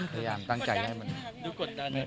สะยามตั้งใจให้มันยุดกดดัน